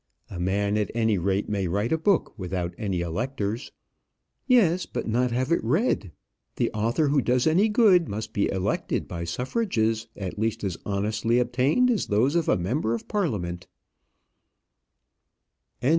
A man at any rate may write a book without any electors." "Yes, but not have it read. The author who does any good must be elected by suffrages at least as honestly obtained as those of a member of Parliament."